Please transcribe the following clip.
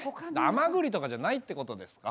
甘ぐりとかじゃないってことですか？